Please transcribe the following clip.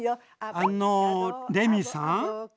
あのレミさん？